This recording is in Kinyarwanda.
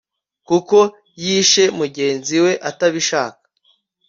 kuko yishe mugenzi we atabishaka